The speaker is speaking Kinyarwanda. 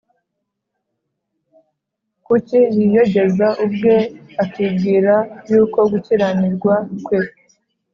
Kuko yiyogeza ubwe, akibwira yuko gukiranirwa kwe